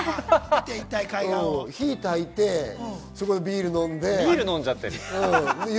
火をたいて、ビール飲んで。